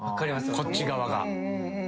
こっち側が。